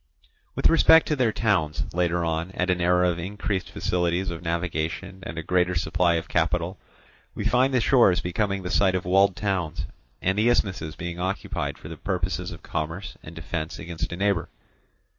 With respect to their towns, later on, at an era of increased facilities of navigation and a greater supply of capital, we find the shores becoming the site of walled towns, and the isthmuses being occupied for the purposes of commerce and defence against a neighbour.